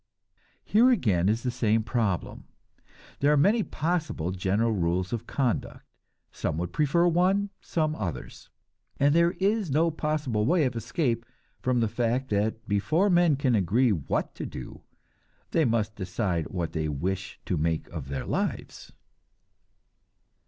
Here again is the same problem. There are many possible general rules of conduct. Some would prefer one, some others; and there is no possible way of escape from the fact that before men can agree what to do, they must decide what they wish to make of their lives.